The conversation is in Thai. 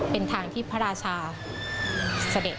เป็นทางที่พระราชาเสด็จ